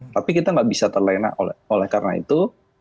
tapi kita nggak bisa terlena oleh karena itu